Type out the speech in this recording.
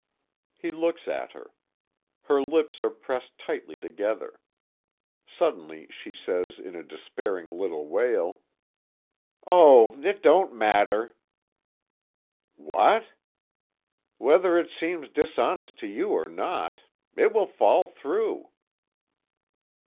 He looks at her. Her lips are pressed tightly together. Suddenly she says in a despairing little wail: "Oh! it don't matter." "What?" "Whether it seems dishonest to you or not. It will fall through."